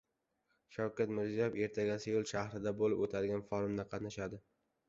Shavkat Mirziyoyev ertaga Seul shahrida bo‘lib o‘tadigan forumda qatnashadi